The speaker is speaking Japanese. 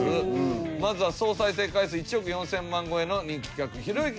まずは総再生回数１億４０００万超えの人気企画ひろゆき